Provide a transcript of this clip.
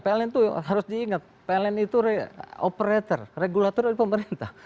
pln itu harus diingat pln itu operator regulator dari pemerintah